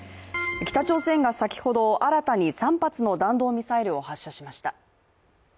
北朝鮮が先ほど新たに３発の弾道ミサイルを発射しました。